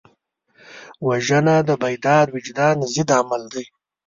وژنه د بیدار وجدان ضد عمل دی